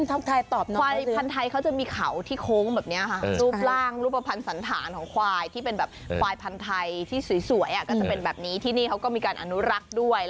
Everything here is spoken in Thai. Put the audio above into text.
ควายพันธุ์ไทยเขาจะมีเขาที่โค้งแบบนี้ค่ะรูปร่างรูปภัณฑ์สันธารของควายที่เป็นแบบควายพันธุ์ไทยที่สวยก็จะเป็นแบบนี้ที่นี่เขาก็มีการอนุรักษ์ด้วย